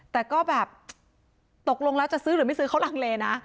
แต่ก็แบบตกลงแล้วจะซื้อหรือไม่ซื้อเขาลังเลนะ